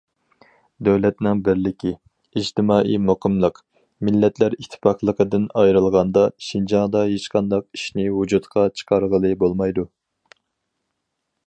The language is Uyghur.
دۆلەتنىڭ بىرلىكى، ئىجتىمائىي مۇقىملىق، مىللەتلەر ئىتتىپاقلىقىدىن ئايرىلغاندا، شىنجاڭدا ھېچقانداق ئىشنى ۋۇجۇدقا چىقارغىلى بولمايدۇ.